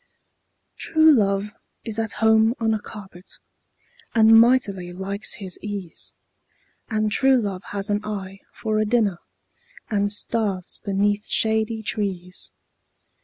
True love is at home on a carpet, And mightily likes his ease And true love has an eye for a dinner, And starves beneath shady trees.